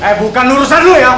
eh bukan urusan lu ya